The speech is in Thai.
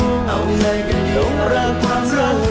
เอาไงกันดีล่ะกับความรัก